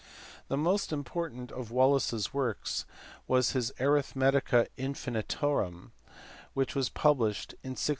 The most important of Wallis s works was his Amthmetica Infinitorum, which was published in 1656.